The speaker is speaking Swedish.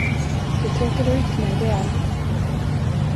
Det tråkar ut mig, det är allt.